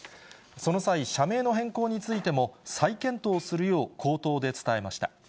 その際、社名の変更についても、再検討するよう口頭で伝えました。